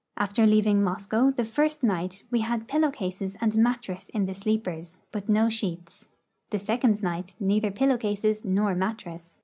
After leaving Moscow, the first night we liad pillow cases and mattress in the sleepers, but no sheets ; the second night neither pillow cases nor mattress.